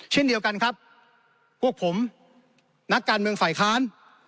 เช่นเดียวกันครับพวกผมนักการเมืองฝ่ายค้าน